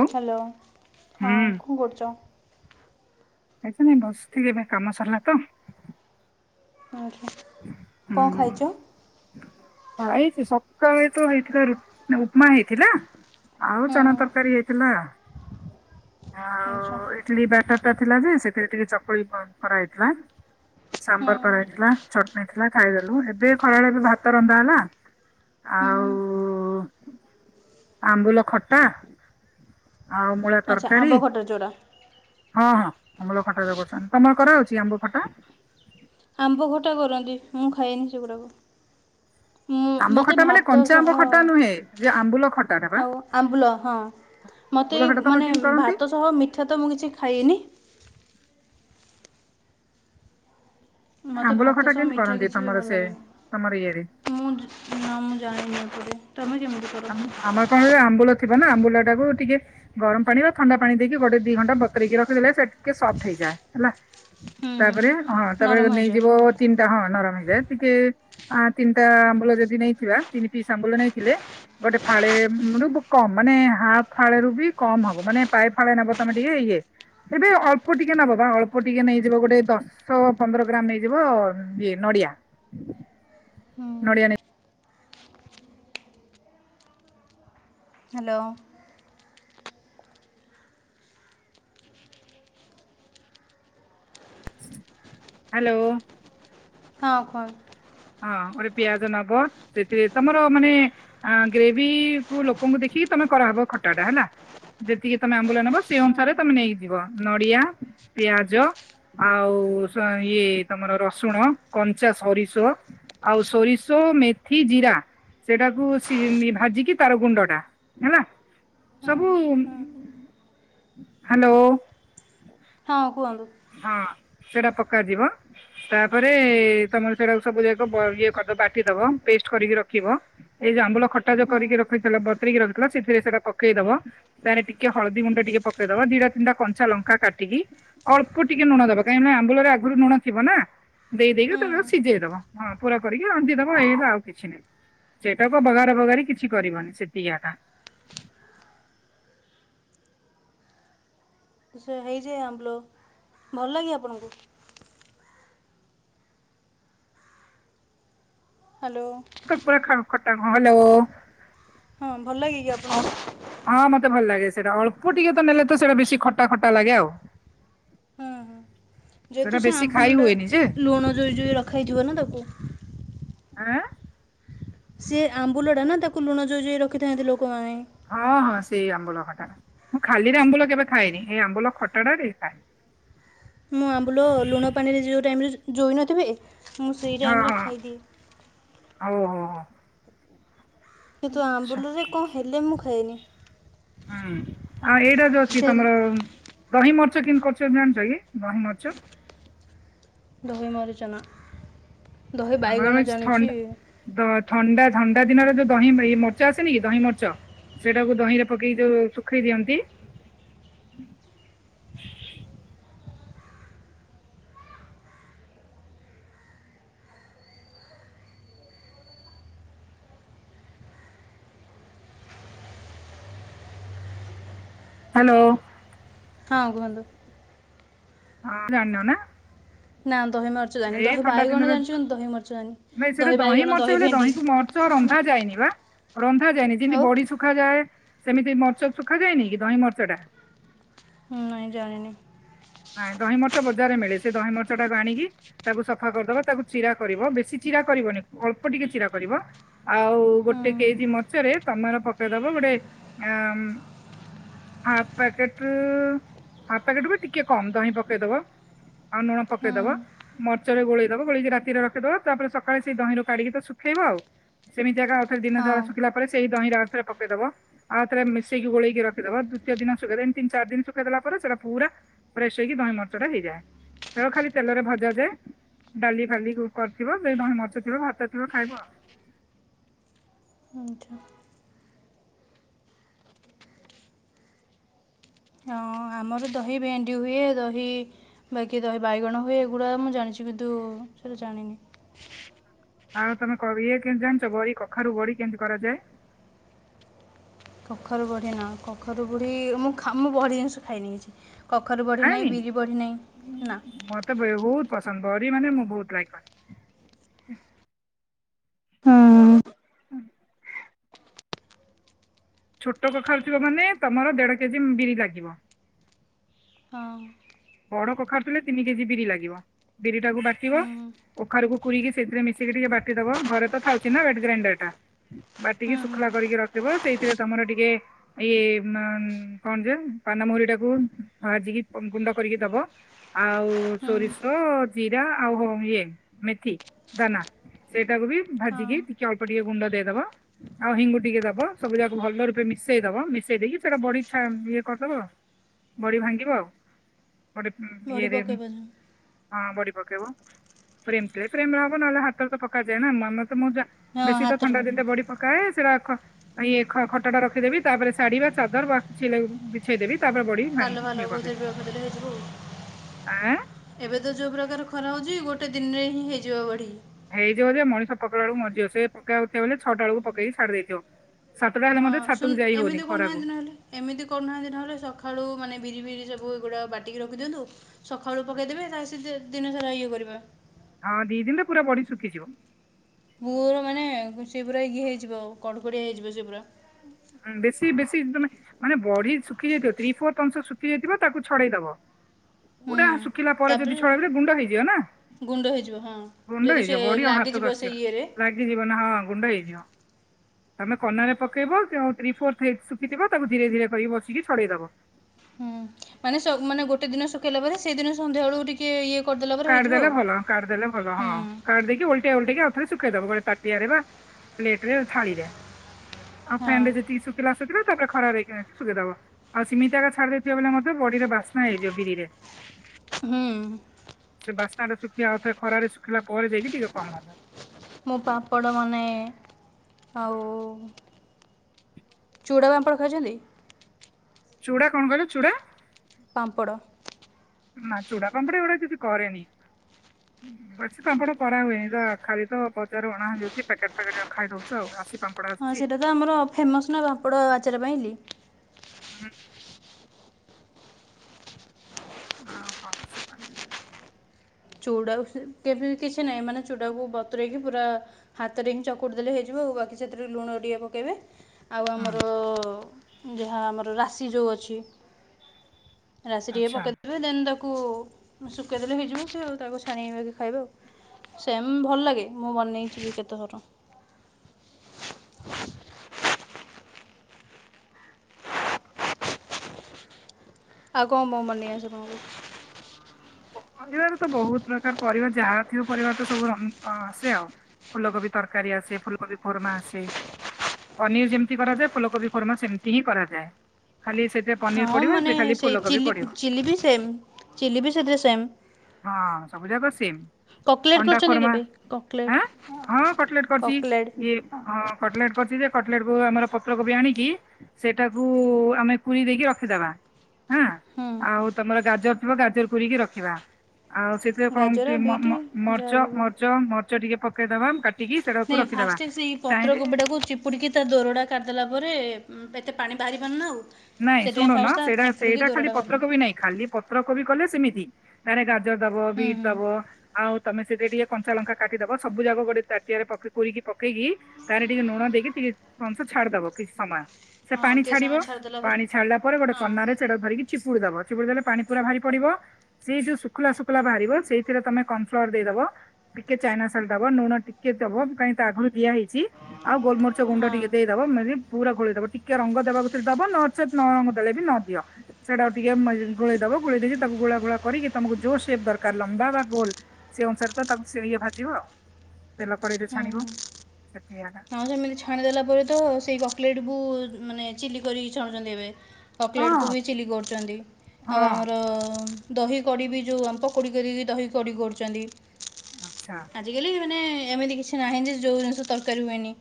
Hello ହଁ ହୁଁ କଣ କରୁଛ? ଆାଇଛା ନାଇଁ ବସିଥିଲିକି ଏବୋଇ କାମ ସରିଲା ତ। ଆ୍ଞା। କଣ ଖାଇଛ? ହଁ ଏଇ ସକାଳେ ତ ହେଇଥିଲା ଉପମା ହେଇଥିଲା। ଆଉ ହୁଁ ଚଣା ହୁଁ ତରକାରୀ ହେଇଥିଲା। ଆଚ୍ଛା କ୍ଲୀ ବେଟର ଟା ଥିଲା ଯେ ସେଥିରେ ଟିକେ ଚକୁଳି କ କରା ଯାଇଥିଲା। ହୁଁ ସାମ୍ବର କରା ହେଇଥିଲା ଚଟଣି ଥିଲା ଖାଇଦେଲୁ ଏବେ ଖରାବେଳେ ଏବେ ଭାତ ରନ୍ଧା ହେଲା। ହୁଁ ହୁଁ ଆଉ ଆମ୍ବୁଲ ଖଟା ଆଉ ମୂଳା ଆଛି ତରକାରୀ ଆମ୍ବ ଖଟାର ଜୋଡ଼ା ହଁ ହଁ ଆମ୍ବୁଲ ଖଟା କରୁଛନ୍ତି ତମର କରା ହଉଛିକି ଆମ୍ବ ଖଟା? ଆମ୍ବ ଖଟା କରନ୍ତି ମୁଁ ଖାଏନି ସେଗୁଡାକୁ। ମୁଁ ଆମ୍ବ ମତେ ଖଟା ମାନେ ଭାତ କଞ୍ଚା ସହ ଆମ୍ବ ଖଟା ନୁହେଁ ଯେ ଆମ୍ବୁଲ ଖଟା ଟା ବା ଆଉ ଆମ୍ବୁଲ ହଁ। ମୋତେ ଆମ୍ବୁଲ ଖଟା ଏ ତମର ମାନେ କେମିତି କରନ୍ତି? ଭାତ ସହ ମିଠା ତ ମୁଁ କିଛି ଖାଇନି। ମୋତେ ଆମ୍ବୁଲ ଭାତ ଖଟା ସହ କେମିତି ମିଠା କରନ୍ତି କିଛି ବି ତମର ଭଲ ସେ ତମର ଇଏରେ ଲାଗେନି। ମୁଁ ନା ମୁଁ ଜାଣିନି ଏପଟେ ତମେ କେମିତି କର ଆମ ଆମର କଣରେ ଆମ୍ବୁଲ ଥିବ ନା ଆମ୍ବୁଲ ଟାକୁ ଟିକେ ଗରମ ପାଣି ବା ଥଣ୍ଡା ପାଣି ଦେଇକି ଗୋଟେ ଦି ଘଣ୍ଟା ବତୁରେଇକି ରଖିଦେଲେ ସେ ଟିକେ ସଫ୍ଟ ହେଇଯାଏ ହେଲା। ହୁଁ ତାପରେ ହଁ ହୁଁ ନରମ ତାପରେ ହେଇଯାଉ ନେଇଯିବ ତିନିଟା ହଁ ନରମ ହେଇଯାଏ ଟିକେ ତିନିଟା ଆମ୍ବୁଳ ଯଦି ନେଇଥିବା ତିନି ପିସ୍ ଆମ୍ବୁଳ ନେଇଥିଲେ ଗୋଟେ ଫାଳେ ର କମ ମାନେ ହାଫେ ଫାଳେରୁ ବି କମ ହବ ମାନେ ପାଏ ଫାଳେ ନବ ତମେ ଟିକେ ଇଏ। ଫ୍ରବି ଅଳ୍ପ ଟିକେ ନବ ବା ଅଳ୍ପ ଟିକେ ନେଇଯିବ ଗୋଟେ ଦସ ଷୋଳ ପନ୍ଦର ଗ୍ରାମ ନେଇଯିବ ଇଏ ନଡିଆ। ହୁଁ ନୋଡି ନେଇ ହାଲୋ। ହାଲୋ। ହଁ କୁଅ। ହଁ ଗୋଟେ ପିଆଜ ନବ ସେଥିରେ ତମର ମାନେ ଆ ଗ୍ରେଭିପୁ ଲୋକଙ୍କୁ ଦେଖିକି ତମେ କରାହବ ଖଟା ଟା ହେଲା। ଯେତିକି ତମେ ଆମ୍ବୁଲ ନେବ ସେଇ ଅନୁସାରେ ହୁଁ ତମେ ନେଇକି ଯିବ ନଡିଆ ପିଆଜ ଆଉ ଇଏ ତମର ରସୁଣ କଞ୍ଚା ସରିଷ ଆଉ ସୋରିଷ ମେଥି ଜିରା ସେଇଟାକୁ ଭାଜିକି ତାର ଗୁଣ୍ଡ ଟା ହେଲା। ହୁଁ ସବୁ ହୁଁ ହାଲୋ। ହଁ କୁହନ୍ତୁ? ହଁ ସେଟା ପକା ଯିବ। ତାପରେ ତମର ସେରାକୁ ସବୁ ଯାକ ଇଏ କରିଦବ ବାଟିଦବ ପେଷ୍ଟ କରିକି ରଖିବ ଏଇ ଯୋଉ ଆମ୍ବୁଲ ଖଟା ଯୋ ହୁଁ କରିକି ରଖିଥିଲା ବତୁରେକି ରଖିଥିଲ ସେଥିରେ ସେଟା ପକେଇ ଦବ। ତାଣେ ଟିକେ ହଳଦୀ ଗୁଣ୍ଡ ଟିକେ ପକେଇଦବ ଦିଡା ତିନଟା କଞ୍ଚା ଲଙ୍କା କାଟିକି ଅଳ୍ପ ଟିକେ ଲୁଣ ଦେବ କାହିଁ ନା ଆମ୍ବୁରେ ଆଗରୁ ଲୁଣ ଥିବ ନା। ଦେଇ ଦେଇେଇକି ତାକୁ ହୁଁ ସିଝେଇ ଦବ ହଁ ପୁରା କରିକି ରାନ୍ଧିଦବ ଏଇ ଆଉ କିଛି ନାହିଁ। ସେଇଟାକୁ ବଘାରେ ବଗାରି କିଛି କରିବନି ସେତିକି ଏକା। ତ ସେ ହେଇଯାଏ ଆମ୍ବୁଲ ଭଲ ଲାଗେ ଆପଣଙ୍କୁ? ହାଲୋ। ଖାମଟା ହାଲୋ ହଁ ଭଲ ଲାଗେ କି ଆପଣଙ୍କୁ? ହଁ ମତେ ଭଲ ଲାଗେ ସେଇଟା ଅଳ୍ପ ଟିକେ ତ ନେଲେ ତ ସେଟା ବେଶୀ ଖଟା ଖଟା ଲାଗେ ଆଉ। ହୁଁ ହୁଁ ହ ଯେହେତୁ ସେ ଆମ୍ବୁଲଟା ଲୁଣ ଜୋଇ ଜୋଇ ରଖାଇଥିବ ନା ତାକୁ। ଆଁ। ସିଏ ଆମ୍ବୁଲଟା ନା ତାକୁ ଲୁଣ ଯୋଇ ରଖିଥାନ୍ତି ଲୋକମାନେ। ହଁ ହଁ ସେଇ ଆମ୍ବଳ ଖଟାଟା ମୁଁ ଖାଲିରେ ଆମ୍ବୁଲ କେବେ ଖାଇନି ଏଇ ଆମ୍ୱୁଲ ଖଟାଟା ଟିକେ ଖାଏ। ମୁଁ ଆମ୍ବୁଲ ଲୁଣ ପାଣିରେ ଯେଉଁ ଟାଇମିରେ ଜୋଇନଥିବେ ମୁଁ ସେଇ ଟାଇମିରେ ଖାଇଦିଏ। ଆଉ ହଉ ହଉ। କିନ୍ତୁ ଆଚ୍ଛା ଆମ୍ବୁଲସରେ କ ଣ ହେଲେ ମୁଁ ଖାଇନି। ହୁଁ ଆଉ ଏଇଟା ଯୋଉ ଅଛି ସେ ତମର ଦହି ମର୍ଚ କେମିତି କରୁଛ ଜାଣିଛ କି ଦହି ମର୍ଚ ଦହିଇ ମାରୁଜନା ଆରଛି ଥଣ୍ଡା ଥଣ୍ଡା ଥଣ୍ଡା ଦିନରେ ଯୋଉ ଦହି ମର୍ଚ ଆସନି କି ଦହି ମର୍ଚ ସେଟାକୁ ଦହି ରେ ପକେଇି ଯୋଉ ଶୁଖେଇ ଦିଅନ୍ତି। ହ୍ୟାଲୋ। ହଁ କୁହନ୍ତୁ। ହଁ ଜଣ ନା। ନା ଦହି ମରିଚ ଦାନି ଏଇ ଦହି ଥଣ୍ଡା ବାଇଗଣ ଦିନରେ ଜାଣିଛଛନ୍ତି ଦହି ମରିଚ ନାଇଁ ଦାନି ସେଇଟା ଦହି ବାଇଗଣ ମରିଚ ଦହି ବୋଲେ ଭେଣ୍ଡି ଦହିକୁ ମରିଚ ରନ୍ଧା ଯାଏନି ମା ରନ୍ଧା ଯାଏନି ଯମତି ଆଉ ବଢ଼ି ସବୁ ଶଖାାଯାଏ ସେମିତି ମର୍ଚ ଶୁଖାଯଏନି କି ଦହିଁ ମର୍ଚ୍ଚ ଟା। ହୁଁ ନାଇଁ ଜାଣେିନି। ନାଇଁ ଦହି ମର୍ଚ ବଜାରରେ ମିଳେ ସେ ଦହି ମର୍ଚ୍ଚ ଟାକୁ ଆଣିକି ତାକୁ ସଫା କରିଦବା ତାକୁ ଚିରା କରିବ ବେଶୀ ଚିରା କରିବନି ଅଳ୍ପ ଟିକେ ଚିରା କରିବ। ଆଉ ଗୋଟେ ହୁଁ କେଜି ମଛରେ ତମର ପକେଇଦବ ଗୋଟେ ଆମ୍- ହକେଟକେଟ ବି ଟିକେ କମ ତଁ ପକେଇଦବା ଆଉ ଲୁଣ ହୁଁ ପକେଇଦବା। ମର୍ଚରେ ଗୋଳେଇଦବ ଗୋଳେଇି ରାତିରେ ରଖିଦବା ତାପରେ ସକାଳେ ସେଇ ଦହିଁରୁ କାଢିକି ତ ଶୁଖେଇବ ଆଉ। ସେମିତି ଆ ଏକ ଆଉଥରେ ଦିନ ହଁ ଧା ଶୁଖିଲା ପରେ ସେଇ ଦହିଁଟ ଅଉଥରେ ପକେଇଦବ। ଆଉ ତର ମେସି ଗୋଳଳିି ରଖଦବ ଦିତୀୟ ଦିନ ସ ସୁଖଦ ଏି ତିି ଚାର ଦିନ ସୁଖଦଲା ପ ପରେରା ଚଲ ପୁରା ଫ୍ରେଶ ହେଇକି ଦହିଁ ମର୍ଚ୍ଚ ଟା ହେଇଯାଏ ତେ ଖାଲି ତେଲରେ ଭଜାାଯାଏ। ଡାଲି ଫାଲି କରିଥିବ ସେ ନଁ ମଛ ଥିବ ଭାତ ଥିବ ଖାଇବ। ଆଜ୍ଞା। ହଁ ଆମର ଦହି ଭେଣ୍ଡି ହୁଏ ଦହି ବାକି ଦହେ ବାଇଗଣ ହୁଏ ଏଗୁଡ଼ା ମୁଁ ଜାଣିଛି କିନ୍ତୁ ସେଇଟା ଜାଣିନି। ଆଉ ତମେ ଇଏ କେମିତି ଜାଣିଛ ବଡି କଖାରୁ ବଡି କେମିତି କରାଯାଏ? କଖରୁ ବୁଢ଼ୀ ନା କଖରୁ ବୁଢ଼ୀ ମୁଁ ମୁଁ ବଢ଼ି ଜିନିଷ ଖାଏନି କିଛି। କଖାରୁ ବଢ଼ିନାହିଁ ଖାଏନି? ବିରି ବଢ଼ିନାହିଁ ନା। ମତେ ବହୁତ ପସନ୍ଦ ବରି ମାନେ ମୁଁ ବହୁତ ଲାଇକ୍ କ ହୁଁ। ଛୋଟ କଖାରୁ ଥିବ ମାନେ ତମର ଦେଢ କେଜି ବିରି ଲାଗିବ। ହଁ। ବଡ କଖାରୁ ଥିଲେ ତିନି କେଜି ବିରି ଲାଗିବ ବିରି ଟାକୁ ବାଟିବ। ହୁଁ କଖାରକୁ ଖୁରିକି ସେଥିରେ ମିଶିକି ଟିକେ ବାଟିଦବ ଘରେ ତ ଥାଉଛି ନା [unintelligible] ଗ୍ରାଇଣ୍ଡର ଟା। ବାଟିକି ହୁଁ ଶୁଖଲା କରିକି ରଖିବ ସେଇଥିରେ ତମର ଟିକେ ଇଏ କଣ ଯେ ପାନମହୁରି ଟାକୁ ଭାଜିକି ଗୁଣ୍ଡ କରିକି ଦବ। ଆଉ ହୁଁ ସୋରିଷ, ଜିରା ଆଉ ହ ଇଏ ମେଥି ଦାନା। ସେଇଟାକୁ ବି ହଁ ଭାଜିକି ଟିକେ ଅଳ୍ପ ଟିକେ ଗୁଣ୍ଡ ଦେଇଦବା। ଆଉ ହିଙ୍ଗୁ ଟିକେ ଦବ ସବୁ ଯାକୁ ଭଲ ରୂପେ ମିଶେଇ ଦବ ମିଶେଇ ଦେଇକି ସେଇଟା ବଢି ଇଛା ଇଏ କରିଦବ। ବଡି ଭାଙ୍ଗିବ ଆଉ ବଢ଼ି ଇରେ। ପକେଇ ପାରୁଛନ୍ତି ହଁ ବଡି ପକେଇବ ଫ୍ରେମ ଥିଲେ ଫ୍ରେମ ରହବ ନହେଲେ ହାତରେ ତ ପକାଯାଏ ନା ମାମ ତା ହଁ ବେଶୀ ତ ହାତରେ ଥଣ୍ଡା ପକେଇ ଦିନରେ ବଡି ପକାଏ ସେଟାଖ ଇଏ ଖଟା ଟା ରଖିଦେବି ତାପରେ ଶାଢ଼ୀ ବା ଚାଦର ବା ବିଛେଇ ଦେବି ତାପରେ ବଢି ପାଲ ଫାଲ ଭାଇ [unintelligible] [inaudible] ଆଁ। ଏବେ ତ ଯୋଉ ପ୍ରକାର ଖରା ହଉଛି ଗୋଟେ ଦିନରେ ହିଁ ହେଇଯିବ ବଢି। ହେଇଯିବ ଯ ମଣିଷ ପକେଇଲା ବେକୁ ମରିଯିବ ସେ ପକେଇବାୟାକୁଥିବ ବ ଛଟା ବଳକୁ ପକେଇକି ଛାଡି ଦେଇଥିବ। ସାତଟା ହେଲା ହଁ ମେ ଶୁଣ ସାତକୁ ଯାଇ ହଉନି ଏମିତି ଖରାକୁ। କରୁନାହାନ୍ତି ନହେଲେ ଏମିତି କରୁନାହାନ୍ତି ନହେଲେ ସକାଳୁ ମାନେ ବିରି ବିରି ସବୁ ଏଗୁଡା ବାଟିକି ରଖିଦିଅନ୍ତୁ ସକାଳୁ ପକାଇଦେବେ ତା ସେ ଦିନସାରା ଇଏ କରିବା। ହଁ ଦି ଦିନରେ ପୁରା ବଡି ଶୁଖିଯିବ। ମୋର ମାନେ ସେ ପୁରା ଇଏ ହେଇଯିବ ଆଉ କଡକଡିଆ ହେଇଯିବ ସେ ପୁରା। ହିଁ ବେଶୀ ବେଶୀ ତମେ ମାନେ ବଢି ଶୁଖି ଯାଇଥିବ ଥ୍ରି ଫୋର୍ଥ ଅଂଶ ଶୁଖି ଯାଇଥିବ ତାକୁ ଛଡେଇଦବ। ପୁରା ହୁଁ ଶୁଖିଲା ପରେ ଯଦି ତାପରେ ଛଡେଇଲେ ଗୁଣ୍ଡ ହେଇଯିବ ନା। ଗୁଣ୍ଡ ହେଇଯିବ ହଁ ଗୁଣ୍ଡ ଯେହେତୁ ହେଇଯିବ ସେ ବଢିଆ ହାତକୁ ଲାଗିଯିବ ଆସିବ। ସେ ଇଏରେ। ଲାଗିଯିବ ନା ହଁ ଗୁଣ୍ଡ ହେଇଯିବ, ତମେ କନାରେ ପ ପକେଇବ ଥ୍ରୀ ଫୋ ଶୁଖିଥିବ, ତାକୁ ଧୀରେ ଧୀରେ କରିକି ବସିକି ଛଡେଇଦବ। ହୁଁ ସ ମାନେ ମାନେ ଗୋଟେ ଦିନ ଶୁଖେଇଲା ପରେ ସେଇଦିନ ସନ୍ଧ୍ୟାବେଳକୁ ଟିକେ ଇଏ କରିଦେଲ କାଢିଦଲେ ଭଲ, କାଢିଦଲେ ଭଲ ହଁ, କାଢିଦେଇକି ଓଲଟିଆ ଓଲଟେଇକି ଆଉଥରେ ଶୁଖେଇଦବ ଗୋଟେ ତାଟିଆରେ ବା ପ୍ଲେଟ ରେ, ଥାଳିରେ, ଆଉ ଫାନ ହଁ ରେ ଯେତିକି ଶୁଖିଲା ଶୁଖିଲା ତାପରେ ଖରା ରହିକି ଶୁଖେଇ ଦବ। ଆଉ ସିମତି ଏକା ଛାଡି ଦେଇଥିବା ବଳେ ମତେ ବଡିରେ ବାସ୍ନା ହେଇଯିବ ବିରିରେ ହୁଁ ଉଁ ସେ ବାସ୍ନା ଟା ଶୁଖିଲା ଆଉଥରେ ଖରାରେ ଶୁଖିଲା ପରେ ଯାଇକି ଟିକେ କମ ହେଲା। ମୁଁ ପାମ୍ପଡ ବନାଏ ଆଉ ଚୁଡ଼ା ପାମ୍ପଡ ଖାଇଛନ୍ତି? ଚୁଡ଼ା କଣ କହିଲ ଚୁଡ଼ା? ପାମ୍ପଡ଼। ନା ଚୁଡ଼ା ପାମ୍ପଡା ଏଗୁଡା କିଛି କରେନି। ବେସି ପାମ୍ପଡ କରା ହୁଏନି, ତ ଆଖାଲି ତ ବଜାରୁ ଅଣା ହେଇଯାଉଛି ପ୍ୟାକେଟ ପ୍ୟାକେଟ ଖାଇଦଉ। ଆସିିପାମ୍ପଡ ହଁ ସେଇଟା ତ ଆମର ଫେମସ୍ ନା, ବାମ୍ପଡ଼ ଆଚାର ପାଇଁଲି। ହୁଁ ହ। ହଁ ହଁ ସେପାଲ। ଚୁଡା କେବେ କିଛି ନାହିଁ ମାନେ, ଚୁଡାକୁ ବତରେଇକି ପୁରା। ହାତରେ ହିଁ ଚକୁଟି ଦେଲେ ହେଇଯିବ ଆଉ ବାକି ସେଥିରୁ ଲୁଣ ଟିକେ ପକାଇବେ ଆଉ ଆମର ହଁ ଯାହା ଆମର ରାଶି ଯେଉଁ ଅଛି, ରାଶି ଟିକେ ଆଚ୍ଛା ପକେଇ ଦେବେ ଦେନ୍ ତାକୁ ଶୁଖେଇଦେଲେ ହେଇଯିବ ସେ ଆଉ। ତାକୁ ଛାଣିବା କି ଖାଇବା ଆଉ, ସେମ ଭଲ ଲାଗେ ମୁଁ ବନେଇଛିି କେତେଥର ଆଉ କଣ ମୋ ମନେଇ ଆସେ ତମକୁ ପରିବାରେ ତ ବହୁତ ପ୍ରକାର ପରିବା, ଯାହା ଥିବ ପରିବା ତ ସବୁ ସେ ଆଉ ଫୁଲକୋବି ତରକାରୀ ଆସେ, ଫୁଲକୋବି କୋରମା ଆସେ। ପନିର ଯେମିତି କରାଯାଏ, ଫୁଲକୋବି ଫର୍ମା ସେମିତି ହିଁ କରାଯାଏ, ଖାଲି ସେ ହଁ ମାନେ ସେଇ ଚି ଚିଲି ବି ସେମ ଚିଲି ବି ସେଥିରେ ସେମ୍ ହଁ ସବୁ ଜାକ ସେମ୍। କକଲେଟ୍ ଅଣ୍ଡା କରିଛନ୍ତି ଖୋରମାଁ, କେବେ କକଲେଟ୍ ହଁ କଟଲେଟ କରିଛି କକଲେଟ୍ ଇଏ ହଁ କଟଲେଟ୍ କରିଛି ଯେ- କଟଲେଟ କୁ ଆମର ପତ୍ରକୋବି ଆଣିକି ସେଟାକୁ ଆମେ କୁରି ଦେଇକି ରଖିଦବା ହଁ ହୁଁ ଆଉ ତମର ଗାଜର ଥିବ ଗାଜର କୁିରିକି ରଖିବା ଆଉ ସେ କଣ ଗାଜର ବିଟ୍ ଯାହା ମଚ ବି ହଉ ମଚ ମର୍ଚ ଟିକେ ପକେଇଦବା ନାଇଁ ଫାଷ୍ଟ ସେଇ ପତ୍ର କୋବିଟାକୁ ଚିପୁ ପୁଡ଼ିକି ତା ଦୋରଡ଼ା କାଢ଼ି ଦେଲା ପରେ, ଏତେ ପାଣି ବାହାରିିବନି ନା ଆଉ ନାଇଁ ଶୁଣୁ ସେଥିପାଇଁ ନା, ଫାଷ୍ଟ ତା ସେଇଟା ସେଇଟା ଚିପୁଡ଼ିକି ଖାଲି ଦୋରଡ଼ା ବାହାରିବ ପତ୍ରକ ବି ନାଇଁ ଖାଲି ପତ୍ରକୋବି କଲେ ସେମିତି, ତାରେ ଗାଜର ଦବ, ହୁଁ ବିଟ ହୁଁ ଦବ ଆଉ ତମେ ସେଥିରେ ଟିକେ କଞ୍ଚା ଲଙ୍କା କାଟିଦବ ସବୁ ଯାକ ଗୋଟେ ତାଟିଆରେକୋରିକି ପକେଇକି ତାରେ ଟିକେ ଲୁଣ ଦେଇକି, ଟିକେ ଜଂସ ଛାଡିଦବ କିଛି ସମୟ, ସେ ହଁ ପାଣି ଟିକେ ଛାଡିବ ସମୟ ଛାଡ଼ିଦେଲା ପରେ ପାଣି ଛାଡିଲା ପରେ, ଗୋଟେ କନାରେ ହଁ ସେଟା ଧରିକି ଚିପୁଡି ଦବ, ଚିପୁଡ଼ି ଦେଲେ ପାଣି ପୁରା ଭାରି ପଡିବ ସେଇ ଯୋଉ ଶୁଖୁଲା ଶୁଖୁଲା ବାହାରିବ ସେଇଥିରେ ତମେ କନ୍ ଫ୍ଲୋର ଦେଇଦବ। ଟିକେ ଚାଇନା ସଲ୍ଟ ଦବ ନୁଣ ଟିକେ ଦବ କାଇଁକି ତା ଆଗୁରୁ ଦିଆ ହେଇ ଚି ଆଉ ଗୋଲମର୍ଚ ଗୁଣ୍ଡ ହଁ ଟିକେ ଦେଇଦବ ମାଜି ପୁରା ଘୋଳିଦବ ଟିକେ ରଙ୍ଗ ଦେବାକୁ ଯଦି ଦବ ନ ନଚେତ ନ ରଙ୍ଗ ଦେଲେ ବି ନଦିଅ। ସେଇଟା ଆଉ ଟିକେ ମାଇ ଗୋଳେଇ ଦବ ଗୋଳେଇ ଦେଇକି ତାକୁ ଗୋଳା ଗୋଳା କରିକି ତମକୁ ଯୋ ସେପ୍ ଦରକାର ଲମ୍ବା ବା ଗୋଲ ସେ ଅନୁସାରେ ତ ତାକୁ ସେ ଇଏ ଭାଜିବ ତେଲ କଡେଇରେ ଛାଣିବ ସେତିକି। ଆଉ ସେମିତି ଛାଣିଦେଲା ପରେ ତ ସେଇ କକଲେଟ୍ ବୁ ମାନେ ଚିଲି କରିକି ଛାଣୁଚନ୍ତି ଏବେ। କଟଲେଟକୁ ହଁ ବି ଚିଲ୍ଲି କରୁଚନ୍ତି ଆଉ ହଁ ଆମର ଦହି କଡ଼ି ବି ଯୋଉ ଅମ୍ପ କୋଡ଼ି କରିକି ଦହି କଡ଼ି କରୁଚନ୍ତି। ଆଚ୍ଛା। ଆଜିକାଲି ମାନେ ଏମିତି କିଛି ନାହିଁ ଯେ ଯୋଉ ଜିନିଷ ତରକାରୀ ହୁଏନି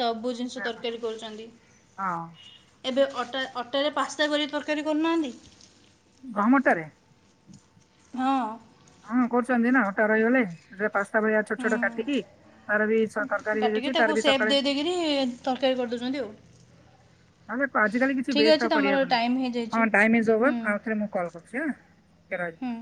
ସବୁ ଜିନିଷ ହଁ ତରକାରୀ କରୁଚନ୍ତି। ଏବେ ଅଟା ଅଟାରେ ପାସ୍ତା କରି ତରକାରୀ କରୁନାହାନ୍ତି। ଗହମ ଅଟାରେ? ହଁ ହଁ କରୁଚନ୍ତି ନା ଅଟା ରହିଗଲେ। ଏଥିରେ ପାସ୍ତା ଭଳିଆ ଛୋଟ ଛୋଟ କାଟିକି ହୁଁ ତାର ବି ସ ତରକାରୀ ହେଇଯାଇଚି ତାର ବି ସକାଳେ କିଣି ତରକାରୀ କରିଦଉଚନ୍ତି ଆଉ। ଆମେ ପାଜି କାଲି କିଛି ଠିକ୍ ବେଷ୍ଟ ଅଛି ଆଉ ତମର କରିହବ ନାହିଁ। ଟାଇମ୍ ହେଇଯାଇଛି ହଁ ଟାଇମ୍ ଇଜ୍ ଓଭୋର୍ ହୁଁ ଆଉଥରେ ମୁଁ କଲ୍ କରୁଛି ହେଁ। ଟିକେ ରହିଥାଅ। ହୁଁ